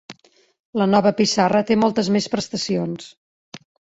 La nova pissarra té moltes més prestacions